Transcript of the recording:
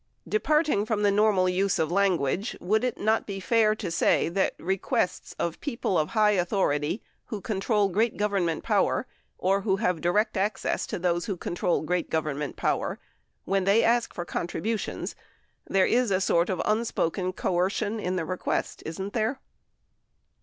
Departing from the normal use of language, would it not be fair to say that requests of people of high authority who control great Government power, or who have direct access to those who control great Government power, when they ask for contributions, there is a sort of unspoken coercion in the request, isn't there?